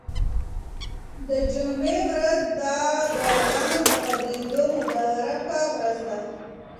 د جمعې ورځ د دعاګانو د قبلېدو مبارکه ورځ ده.